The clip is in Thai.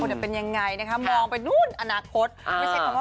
ก็ดีค่ะอย่างที่หนูบอกว่ามันเป็นได้ก็ดีเนอะ